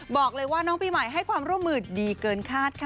บอกเลยว่าน้องปีใหม่ให้ความร่วมมือดีเกินคาดค่ะ